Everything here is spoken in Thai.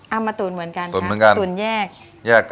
เอามาตุ๋นเหมือนกันครับตุ๋นแยก